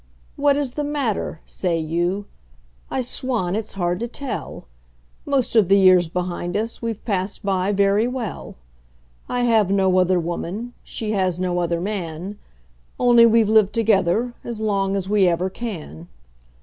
"What is the matter?" say you. I swan it's hard to tell! Most of the years behind us we've passed by very well; I have no other woman, she has no other man Only we've lived together as long as we ever can.